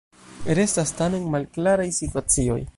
Restas tamen malklaraj situacioj.